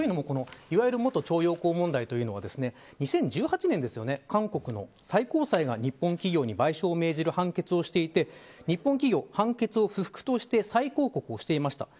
この、いわゆる元徴用工問題というのは２０１８年、韓国の最高裁が日本企業に賠償を命じる判決をしていて日本企業は判決を不服として再抗告していました。